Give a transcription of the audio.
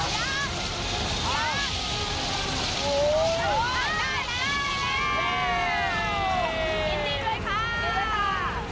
ยินดีด้วยค่ะ